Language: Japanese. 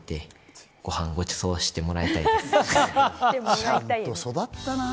ちゃんと育ったな。